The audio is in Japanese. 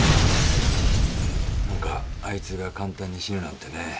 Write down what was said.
何かあいつが簡単に死ぬなんてね。